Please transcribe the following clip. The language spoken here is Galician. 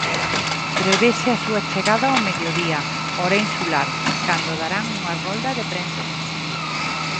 Prevese a súa chegada ao mediodía, hora insular, cando darán unha rolda de prensa.